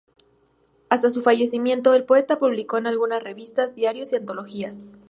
Hasta su fallecimiento, el poeta publicó en algunas revistas, diarios y antologías.